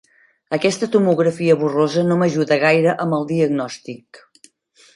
Aquesta tomografia borrosa no m'ajuda gaire amb el diagnòstic.